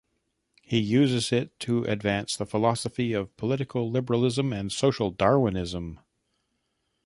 He uses it to advance the philosophy of political liberalism and social Darwinism.